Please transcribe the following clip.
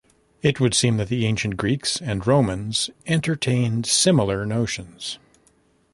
It would seem that the ancient Greeks and Romans entertained similar notions.